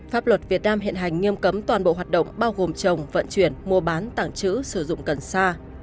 pháp luật việt nam hiện hành nghiêm cấm toàn bộ hoạt động bao gồm trồng vận chuyển mua bán tảng trữ sử dụng cần sa